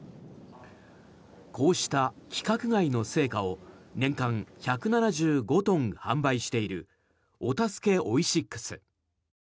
こうした規格外の青果を年間１７５トン販売しているおたすけＯｉｓｉｘ。